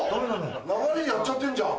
流れでやっちゃってんじゃん。